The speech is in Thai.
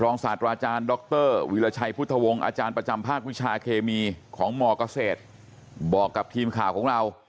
ศาสตราอาจารย์ดรวิราชัยพุทธวงศ์อาจารย์ประจำภาควิชาเคมีของมเกษตรบอกกับทีมข่าวของเรา